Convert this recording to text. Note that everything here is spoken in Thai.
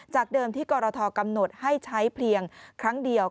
เดิมที่กรทกำหนดให้ใช้เพียงครั้งเดียว